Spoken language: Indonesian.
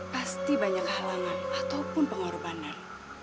pasti banyak halangan ataupun pengorbanan